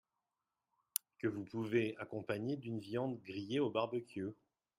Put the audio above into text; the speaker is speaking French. Que vous pouvez accompagner d’une viande grillée au barbecue.